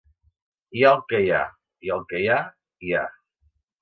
Hi ha el que hi ha, i el que hi ha, hi ha.